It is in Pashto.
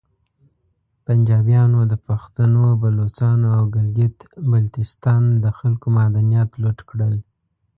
پنجابیانو د پختنو، بلوچانو او ګلګیت بلتیستان د خلکو معدنیات لوټ کړل